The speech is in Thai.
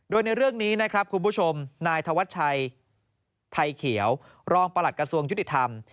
โดยในเรื่องนี้นะครับคุณผู้ชมนายธวัชชัยไทยเขียวรองประหลัดกระทรวงยุติธรรม